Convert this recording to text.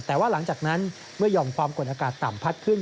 แต่ว่าหลังจากนั้นเมื่อหย่อมความกดอากาศต่ำพัดขึ้น